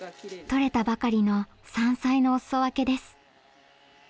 採れたばかりの山菜のお裾分けです。